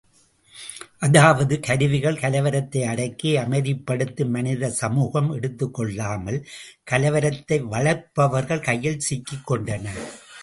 அதாவது கருவிகள் கலவரத்தை அடக்கி அமைதிப்படுத்தும் மனித சமூகம் எடுத்துக்கொள்ளாமல், கலவரத்தை வளர்ப்பவர்கள் கையில் சிக்கிக்கொண்டன!